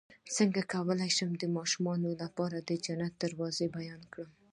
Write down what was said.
څنګه کولی شم د ماشومانو لپاره د جنت دروازې بیان کړم